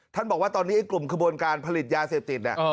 ท่านบอกว่าตอนนี้กลุ่มขบวนการผลิตยาเสพติดน่ะ